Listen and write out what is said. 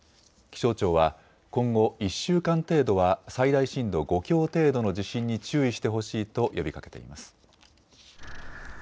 気象庁は今後１週間程度は最大震度５強程度の地震に注意してほしいと呼びかけています。